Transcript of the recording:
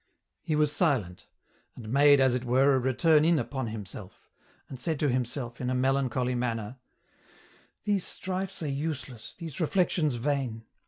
He was silent, and made, as it were, a return in upon himself ; and said to himself, in a melancholy manner :" These strifes are useless, these reflections vain.